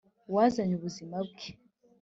wazanye ubuzima bwe.